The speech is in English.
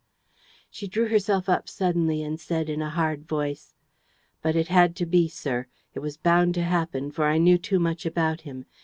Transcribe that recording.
..." She drew herself up suddenly and said, in a hard voice: "But it had to be, sir. It was bound to happen, for I knew too much about him.